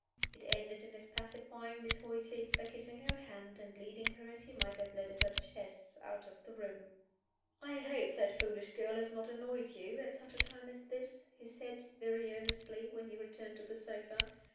It ended in his pacifying Miss Hoighty, by kissing her hand, and leading her (as he might have led a duchess) out of the room. "I hope that foolish girl has not annoyed you at such a time as this," he said, very earnestly, when he returned to the sofa.